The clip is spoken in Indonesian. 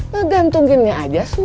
ngegantungin aja setinggi